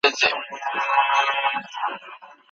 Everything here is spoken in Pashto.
ټولنپوهنه یوه هیجاني او په زړه پورې زده کړه ده.